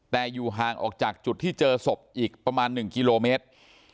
แต่อยู่ห่างออกจากจุดที่เจอศพอีกประมาณ๑กิโลเมตร